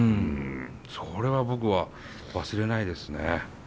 それは僕は忘れないですね。